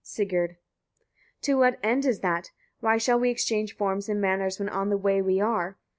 Sigurd. 38. To what end is that? why shall we exchange forms and manners, when on the way we are?